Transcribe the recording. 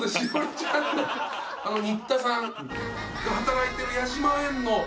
新田さんが働いてる矢島園の。